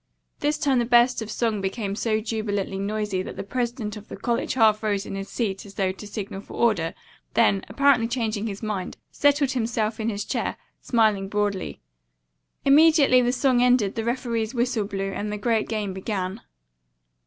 This time the burst of song became so jubilantly noisy that the president of the college half rose in his seat as though to signal for order, then, apparently changing his mind, settled himself in his chair, smiling broadly. Immediately the song ended the referee's whistle blew and the great game began.